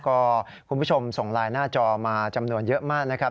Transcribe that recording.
ก็คุณผู้ชมส่งไลน์หน้าจอมาจำนวนเยอะมากนะครับ